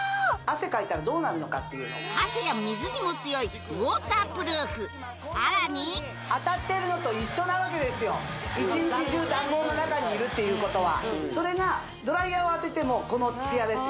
汗かいたらどうなるのかっていうのをさらに当たってるのと一緒なわけですよ一日中暖房の中にいるっていうことはそれがドライヤーをあててもこのツヤです